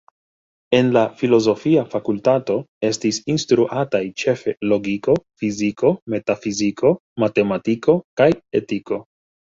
En la filozofia fakultato estis instruataj ĉefe logiko, fiziko, metafiziko, matematiko kaj etiko.